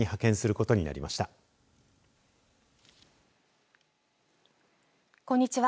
こんにちは。